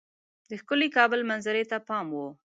د ښکلي کابل منظرې ته پام وو.